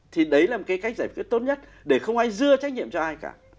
thì đấy là một cái cách giải quyết tốt nhất để không ai dưa trách nhiệm cho ai cả